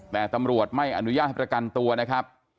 แต่ตำรวจไม่อนุญาตให้ประกันตัวนะครับ